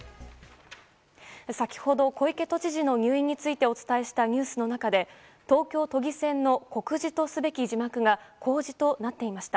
先ほど小池都知事の入院についてお伝えしたニュースの中で東京都議選の告示とすべき字幕が公示となっていました。